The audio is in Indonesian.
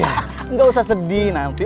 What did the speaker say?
udah nggak usah sedih nanti